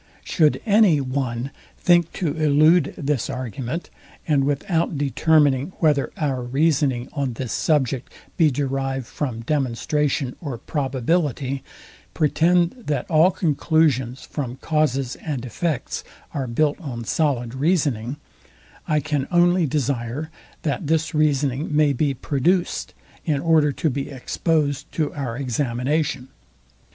Should any one think to elude this argument; and without determining whether our reasoning on this subject be derived from demonstration or probability, pretend that all conclusions from causes and effects are built on solid reasoning: I can only desire, that this reasoning may be produced, in order to be exposed to our examination.